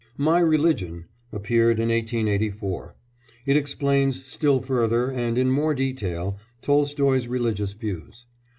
My Religion appeared in 1884. It explains still further and in more detail Tolstoy's religious views.